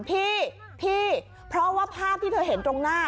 พี่พี่เพราะว่าภาพที่เธอเห็นตรงหน้า